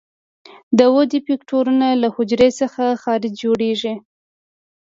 د ودې فکټورونه له حجرې څخه خارج جوړیږي.